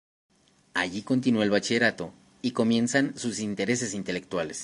Allí continua el bachillerato y comienzan sus intereses intelectuales.